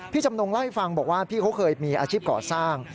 จำนงเล่าให้ฟังบอกว่าพี่เขาเคยมีอาชีพก่อสร้าง